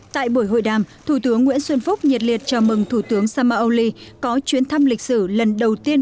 tại buổi hội đàm thủ tướng nguyễn xuân phúc nhiệt liệt chào mừng thủ tướng samaoli có chuyến thăm lịch sử lần đầu tiên